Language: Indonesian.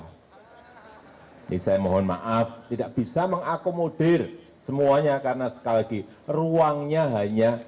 ini saya mohon maaf tidak bisa mengakomodir semuanya karena sekali lagi ruangnya hanya